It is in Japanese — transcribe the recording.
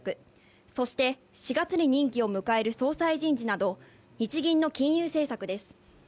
そして、４月に任期を迎える総裁人事など日銀の金融政策です。